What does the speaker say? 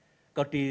ya ada juga kaitannya